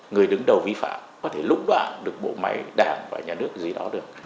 người đứng đầu vi phạm có thể lũng đoạn được bộ máy đảng và nhà nước gì đó được